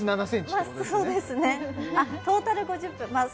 トータル５０分まあ